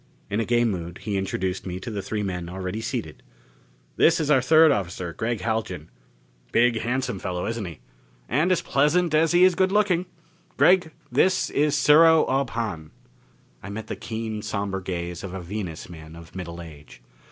In a gay mood, he introduced me to the three men already seated: "This is our third officer, Gregg Haljan. Big, handsome fellow, isn't he? And as pleasant as he is good looking. Gregg, this is Sero Ob Hahn." I met the keen, somber gaze of a Venus man of middle age.